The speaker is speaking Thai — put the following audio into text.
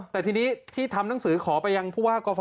แต่ทีนี้ที่ทำหนังสือขอไปยังผู้ว่ากฟ